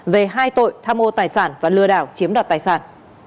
về hai tội tham mô tài sản và lừa đảo chiếm đoạt tài sản